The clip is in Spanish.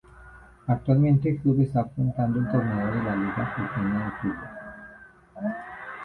Actualmente el club está afrontando el torneo de La Liga Jujeña de Fútbol.